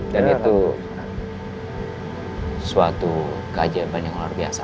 dan itu suatu keajaiban yang luar biasa